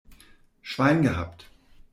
Schwein gehabt!